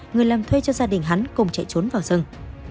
người làm thuê cho gia đình hắn cùng chạy trốn vào rừng